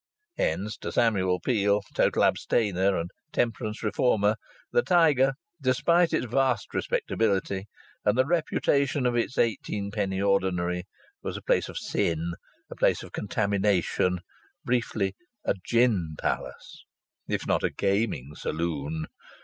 Hence to Samuel Peel, total abstainer and temperance reformer, the Tiger, despite its vast respectability and the reputation of its eighteen penny ordinary, was a place of sin, a place of contamination; briefly, a "gin palace," if not a "gaming saloon."